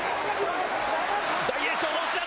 大栄翔の押し出し。